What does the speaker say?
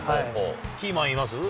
キーマンいます？